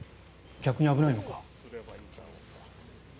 逆に危ないのか。